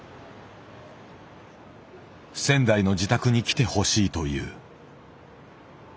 仙台の自宅に来てほしいという。